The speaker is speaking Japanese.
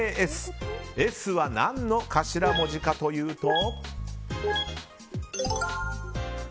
Ｓは何の頭文字かというと。